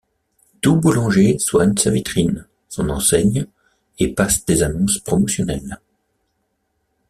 Tout boulanger soigne sa vitrine, son enseigne et passe des annonces promotionnelles.